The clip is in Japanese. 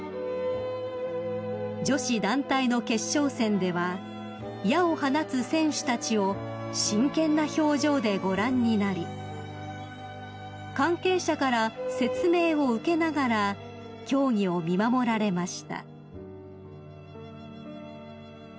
［女子団体の決勝戦では矢を放つ選手たちを真剣な表情でご覧になり関係者から説明を受けながら競技を見守られました］